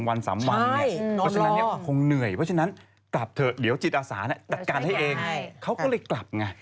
เพราะฉะนั้นคงเหนื่อยเพราะฉะนั้นกลับเถอะเดี๋ยวจิตอาสาจัดการให้เองเขาก็เลยกลับไง